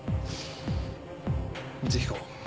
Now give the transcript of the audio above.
光彦。